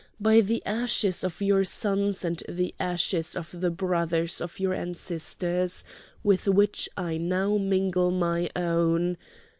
by the ashes of your sons and the ashes of the brothers of your ancestors with which I now mingle my own!